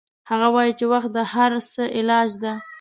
هغه وایي چې وخت د هر څه علاج ده